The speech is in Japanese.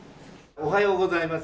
おはようございます。